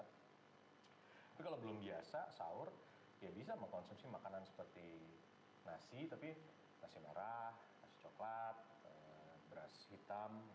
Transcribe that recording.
tapi kalau belum biasa sahur ya bisa mengkonsumsi makanan seperti nasi tapi nasi merah nasi coklat beras hitam